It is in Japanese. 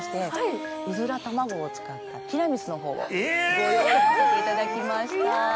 うずら卵を使ったティラミスのほうをご用意させていただきました。